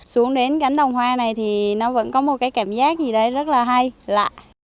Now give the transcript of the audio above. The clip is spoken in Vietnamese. xuống đến cánh đồng hoa này thì nó vẫn có một cái cảm giác gì đấy rất là hay lạ